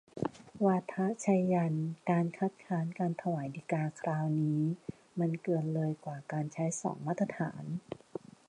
วาทะไชยันต์ : การคัดค้านการถวายฎีกาคราวนี้มันเกินเลยกว่าการใช้สองมาตรฐาน